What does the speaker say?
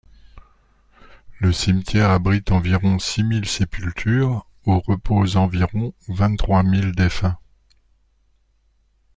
Le cimetière abrite environ six mille sépultures où reposent environ vingt-trois mille défunts.